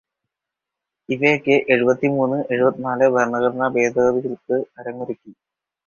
ഇവയൊക്കെ എഴുപത്തിമൂന്ന്, എഴുപത്തിനാല് ഭരണഘടനാ ഭേദഗതികൾക്ക് അരങ്ങൊരുക്കി.